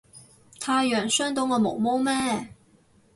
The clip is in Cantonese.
太陽傷到我毛毛咩